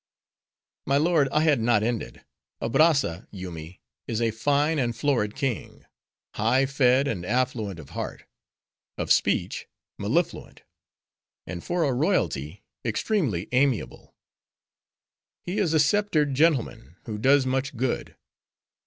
"My lord, I had not ended. Abrazza, Yoomy, is a fine and florid king: high fed, and affluent of heart; of speech, mellifluent. And for a royalty extremely amiable. He is a sceptered gentleman, who does much good.